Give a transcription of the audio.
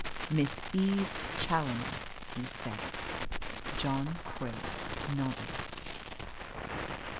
"Miss Eve Challoner," he said. John Craik nodded.